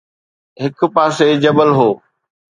هڪ پاسي جبل هو